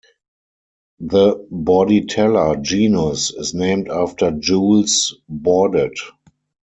The "Bordetella" genus is named after Jules Bordet.